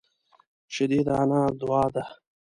شیدې د انا دعا ده